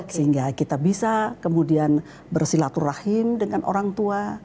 sehingga kita bisa kemudian bersilaturahim dengan orang tua